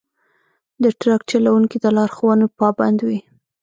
د ټرک چلوونکي د لارښوونو پابند وي.